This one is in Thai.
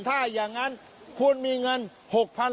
ถ้าอย่างนั้นคุณมีเงิน๖๐๐๐